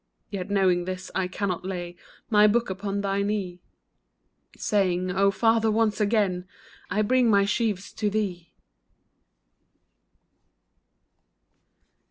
Yet, knowing this, I cannot lay My book upon thy knee. Saying, " O father, once again I bring my sheaves to thee